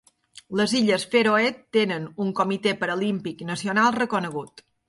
Les illes Fèroe tenen un Comitè Paralímpic Nacional reconegut.